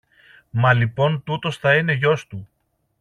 Μα λοιπόν τούτος θα είναι γιος του.